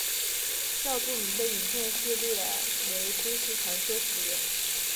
较著名的影片系列为都市传说系列。